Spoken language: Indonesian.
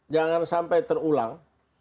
jangan sampai terulang